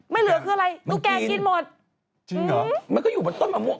ไม่เหลือคืออะไรตุ๊กแก่กินหมด